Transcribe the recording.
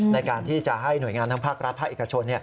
ในการที่จะให้หน่วยงานทั้งภาครัฐภาคเอกชน